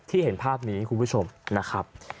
เห็นภาพนี้คุณผู้ชมนะครับ